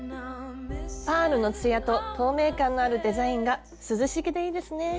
パールのつやと透明感のあるデザインが涼しげでいいですね。